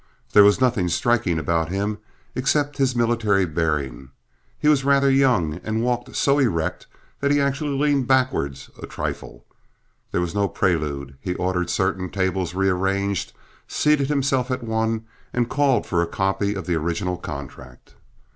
There was nothing striking about him, except his military bearing; he was rather young and walked so erect that he actually leaned backward a trifle. There was no prelude; he ordered certain tables rearranged, seated himself at one, and called for a copy of the original contract.